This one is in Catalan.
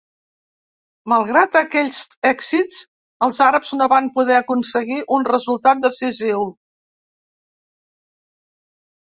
Malgrat aquests èxits, els àrabs no van poden aconseguir un resultat decisiu.